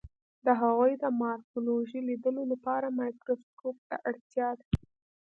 د هغوی د مارفولوژي لیدلو لپاره مایکروسکوپ ته اړتیا ده.